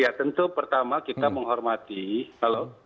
ya tentu pertama kita menghormati kalau